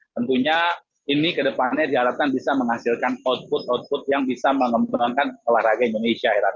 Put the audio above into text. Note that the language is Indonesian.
tentunya ini kedepannya diharapkan bisa menghasilkan output output yang bisa mengembangkan olahraga indonesia